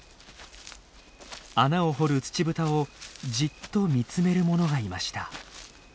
穴を掘るツチブタをじっと見つめるものがいました。